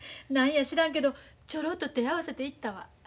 何や知らんけどちょろっと手ぇ合わせて行ったわ。